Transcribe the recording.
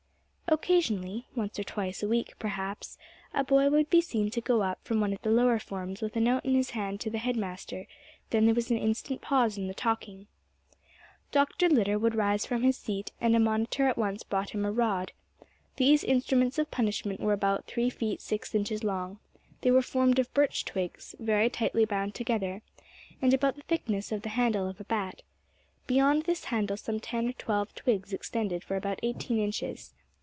Occasionally, once or twice a week perhaps, a boy would be seen to go up from one of the lower forms with a note in his hand to the head master; then there was an instant pause in the talking. Dr. Litter would rise from his seat, and a monitor at once brought him a rod. These instruments of punishment were about three feet six inches long; they were formed of birch twigs, very tightly bound together, and about the thickness of the handle of a bat; beyond this handle some ten or twelve twigs extended for about eighteen inches.